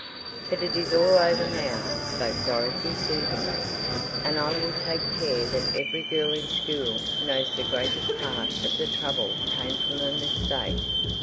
"But it is all over now," spoke Dorothy soothingly, "and I will take care that every girl in school knows the greatest part of the trouble came from a mistake."